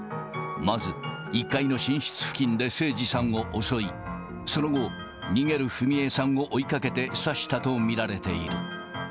まず１階の寝室付近で盛司さんを襲い、その後、逃げる章恵さんを追いかけて刺したと見られている。